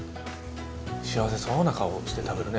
幸せそうな顔して食べるねやっぱりね。